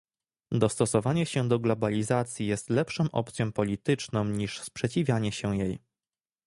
Dostosowanie się do globalizacji jest lepszą opcją polityczną niż sprzeciwianie się jej